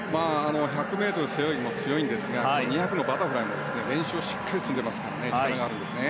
１００ｍ背泳ぎも強いんですが２００のバタフライも練習をしっかり積んでますから力があるんですね。